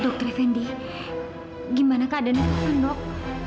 dokter fendi gimana keadaan taufan mbak